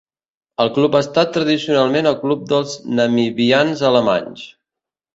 El club ha estat tradicionalment el club dels namibians alemanys.